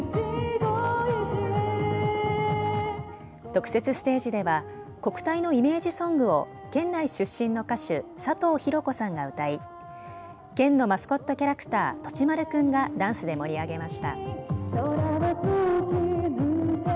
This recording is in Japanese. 特設ステージでは国体のイメージソングを県内出身の歌手、サトウヒロコさんが歌い県のマスコットキャラクター、とちまるくんがダンスで盛り上げました。